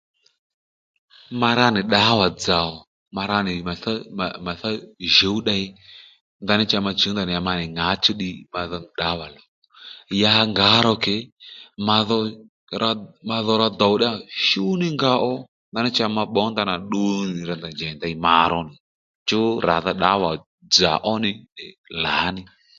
Ma ra nì ddǎwà dzà ò ma ra nì màtsá màtsá djǔw ddey ndaní cha ma chǔw ndanà ya à njèy ndèy ŋǎchú ddiy ma dhó ddǎwà lòw ya ngǎ ro ke madho ra dòw díya shú ní nga ò ndaní cha ma bbǒ ndanà ddu nì ra ndèy njèy ndey nì ma ró nì chú ràdha ddǎwà dzà ó nì tdè lǎní